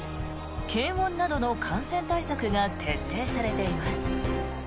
検温などの感染対策が徹底されています。